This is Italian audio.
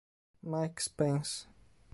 Mike Spence